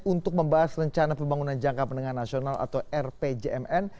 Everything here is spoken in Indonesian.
untuk membahas rencana pembangunan jangka pendek nasional atau rpjmn